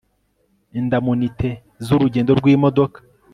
indamunite z'urugendo rw'imodoka